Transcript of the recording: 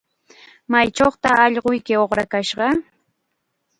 ¿Maychawtaq allquyki uqrakashqa?